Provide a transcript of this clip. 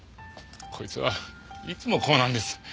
こいつはいつもこうなんです。